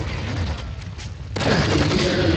Shule ilifunguliwa